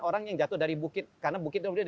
orang yang jatuh dari bukit karena bukit itu udah